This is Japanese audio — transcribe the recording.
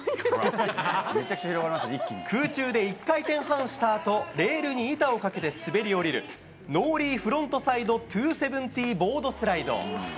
空中で１回転半したあと、レールに板をかけて滑り降りる、ノーリーフロントサイド２７０ボードスライド。